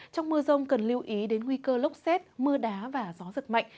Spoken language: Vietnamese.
trong mưa rông cần lưu ý đến nguy cơ lốc xét mưa đá và gió giật mạnh